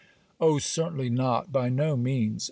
'Oh certainly, not! By no means!